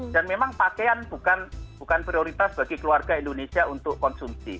dan memang pakaian bukan prioritas bagi keluarga indonesia untuk konsumsi